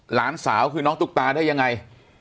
หลานสาวคือน้องตุ๊กตาได้ยังไง